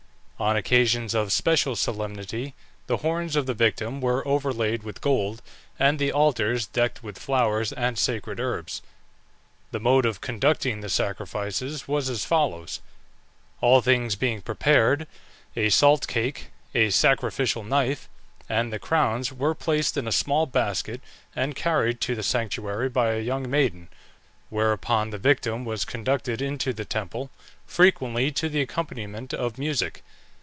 On occasions of special solemnity the horns of the victim were overlaid with gold, and the altars decked with flowers and sacred herbs. The mode of conducting the sacrifices was as follows: All things being prepared, a salt cake, the sacrificial knife, and the crowns, were placed in a small basket, and carried to the sanctuary by a young maiden, whereupon the victim was conducted into the temple, frequently to the accompaniment of music.